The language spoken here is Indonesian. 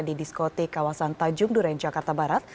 di diskotik kawasan tanjung duren jakarta barat